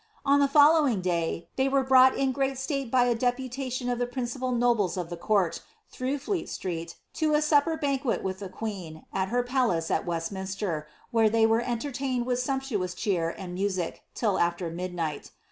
On the fDlloning day, ihey were brought in gnal ■tale by a deputation of the principal nobles of tlie court, through Flf^tr Ureet, Ui a supper banquet with the queen, at her palace al tVesimiD ater, where they were eiitertaiued with sumptuous cheer and music till ader midnight.